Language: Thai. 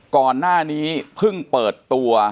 ก่อนหน้านี้เพิ่งเปิดตัว